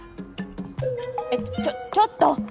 えっちょちょっと！